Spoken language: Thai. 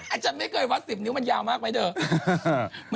อาจารย์ไม่เคยวัด๑๐นิ้วมันยาวมากไหมเถอะ